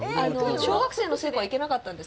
小学生の聖子は行けなかったんです。